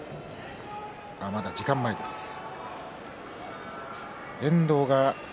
まだ時間前です。